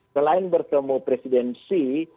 selain bertemu presiden xi